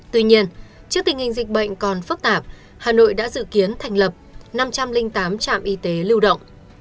tuy nhiên trước tình hình dịch bệnh còn phức tạp hà nội đã dự kiến thành lập năm trăm linh tám trạm y tế lưu động